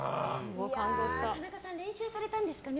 田中さん練習されたんですかね